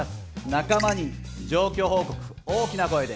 仲間に状況報告大きな声で。